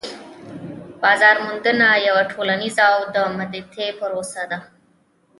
بازار موندنه یوه ټولنيزه او دمدریتی پروسه ده